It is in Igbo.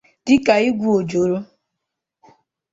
dịka ígwù ojoro